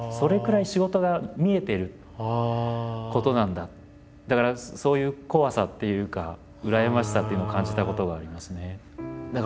やっぱり子どものだからそういう怖さっていうか羨ましさっていうのを感じたことがありますね。